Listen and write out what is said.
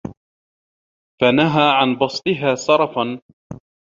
فَنَهَى عَنْ بَسْطِهَا سَرَفًا